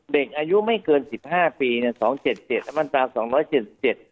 เด็กอายุไม่เกินสิบห้าปีเนี้ยสองเจ็ดเจ็ดและมาตราสองร้อยเจ็ดสิบเจ็ด